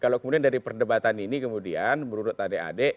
kalau kemudian dari perdebatan ini kemudian menurut adik adik